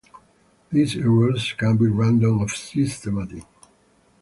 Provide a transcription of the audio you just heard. These errors can be random or systematic.